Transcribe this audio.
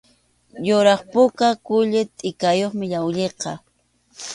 Yuraq puka kulli tʼikayuqmi llawlliqa.